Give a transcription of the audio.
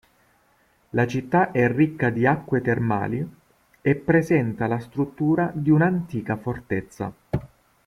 La città è ricca di acque termali e presenta la struttura di un'antica fortezza.